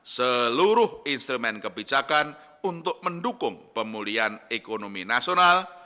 seluruh instrumen kebijakan untuk mendukung pemulihan ekonomi nasional